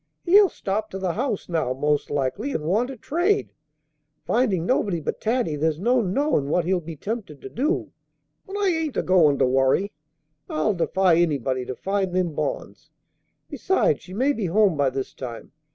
"He'll stop to the house, now, most likely, and want to trade. Findin' nobody but Taddy, there's no knowin' what he'll be tempted to do. But I ain't a goin' to worry. I'll defy anybody to find them bonds. Besides, she may be home by this time.